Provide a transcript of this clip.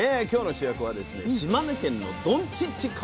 今日の主役はですね島根県のどんちっち